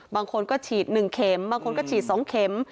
บางคนก็ฉีด๑เข็มบางคนก็ฉีด๒เข็ม